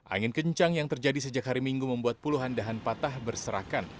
angin kencang yang terjadi sejak hari minggu membuat puluhan dahan patah berserakan